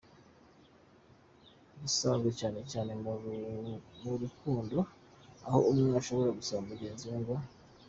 busanzwe cyane cyane mu rukukondo aho umwe ashobora gusaba mugenzi we ngo.